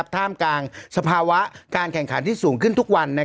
ท่ามกลางสภาวะการแข่งขันที่สูงขึ้นทุกวัน